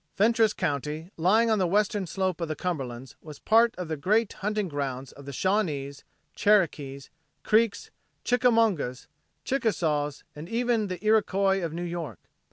Fentress county lying on the western slope of the Cumberlands was part of the great hunting grounds of the Shawnees, Cherokees, Creeks, Chickamaugas, Chickasaws, and even the Iroquois of New York.